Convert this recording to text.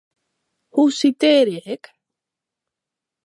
Hoe sitearje ik?